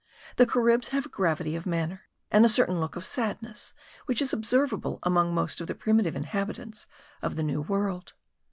The Caribs have a gravity of manner, and a certain look of sadness which is observable among most of the primitive inhabitants of the New World.